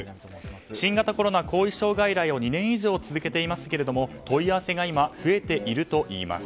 新型コロナ後遺症外来を２年以上続けていますけれども問い合わせが今、増えているといいます。